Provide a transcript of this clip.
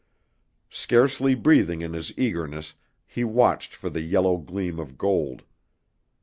Scarcely breathing in his eagerness he watched for the yellow gleam of gold.